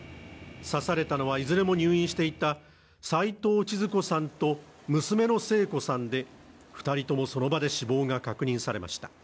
刺されたのはいずれも入院していた、齊藤ちづ子さんと娘の聖子さんで、２人ともその場で死亡が確認されました。